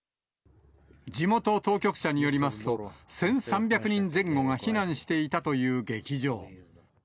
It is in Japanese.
地元当局者によりますと、１３００人前後が避難していたという劇場。